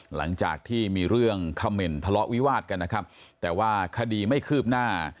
หลังจากที่มีเรื่องเขม่นทะเลาะวิวาดกันนะครับแต่ว่าคดีไม่คืบหน้า